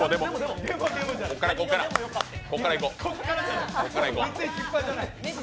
ここからここから、ここからいこう。